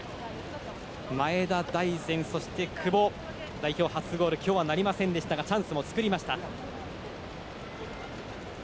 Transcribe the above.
前田大然そして久保、代表初ゴールは今日はなりませんでしたがチャンスも作りました。